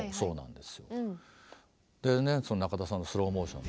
でね中田さんの「スローモーション」。